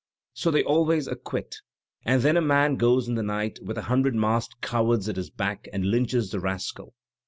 "" 'So they always acquit; and then a man goes in the night, with a hundred masked cowards at his back, and lynches the rascal.